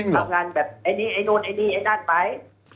ทำงานแบบไอ้นี่ไอ้นู่นไอ้นี่ไอ้นั่นไป